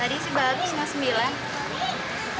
tadi sebab sembilan tiga puluh